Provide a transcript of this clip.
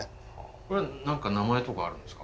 これ何か名前とかあるんですか？